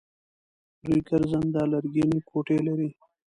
دوی ګرځنده لرګینې کوټې لري.